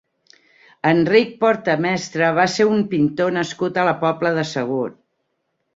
Enric Porta Mestre va ser un pintor nascut a la Pobla de Segur.